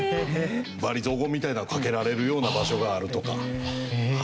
罵詈雑言みたいなのをかけられるような場所があるとか。